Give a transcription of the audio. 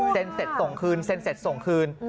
เสร็จส่งคืนเซ็นเสร็จส่งคืน